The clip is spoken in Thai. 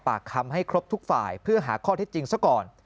ปากคำให้ครบทุกฝ่ายเพื่อหาข้อเท็จจริงซะก่อน